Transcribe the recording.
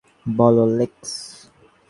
বলো, লেক্স।